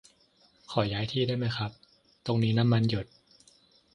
ขอย้ายที่ได้ไหมครับ ตรงนี้น้ำมันหยด